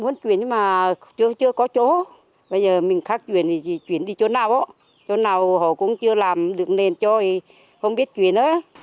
nhưng mà chưa có chỗ bây giờ mình khác chuyển thì chuyển đi chỗ nào chỗ nào họ cũng chưa làm được nên cho thì không biết chuyển